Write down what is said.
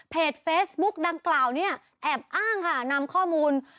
เฟซบุ๊กดังกล่าวเนี่ยแอบอ้างค่ะนำข้อมูล